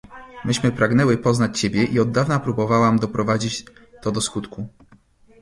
"Myśmy pragnęły poznać ciebie, i od dawna próbowałam doprowadzić to do skutku."